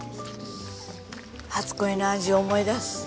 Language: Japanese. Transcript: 初恋の味を思い出す。